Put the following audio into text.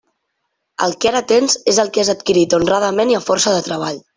El que ara tens és el que has adquirit honradament i a força de treball.